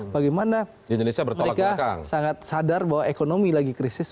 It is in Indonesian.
bagaimana mereka sangat sadar bahwa ekonomi lagi krisis